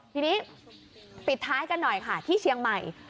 ทีนี้ปิดท้ายกันหน่อยค่ะที่เชียงใหม่